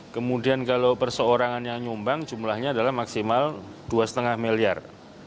kemudian kalau perseorangan yang nyumbang jumlahnya adalah maksimal dua lima miliar